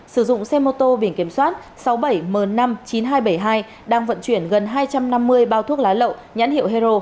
sử dụng xe mô tô biển kiểm soát sáu mươi bảy m năm mươi chín nghìn hai trăm bảy mươi hai đang vận chuyển gần hai trăm năm mươi bao thuốc lá lậu nhãn hiệu hero